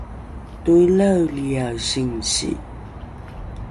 toelaeliae singsi